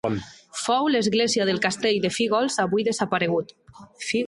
Fou l'església del castell de Fígols avui desaparegut.